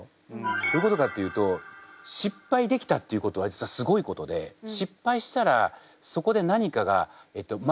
どういうことかっていうと失敗できたっていうことは実はすごいことで失敗したらそこで何かが学べますよね経験できますよね。